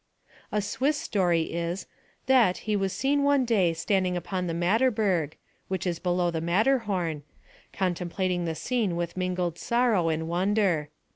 A Swiss story is, that he was seen one day standing upon the Matterberg, which is below the Matterhorn, contemplating the scene with mingled sorrow and wonder.